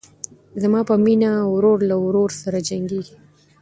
زما په مینه ورور له ورور سره جنګیږي